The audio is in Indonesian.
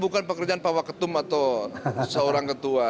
tentu kerjaan pak waketum atau seorang ketua